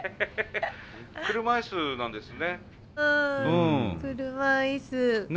車椅子なんですね。